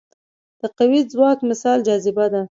د قوي ځواک مثال جاذبه ده.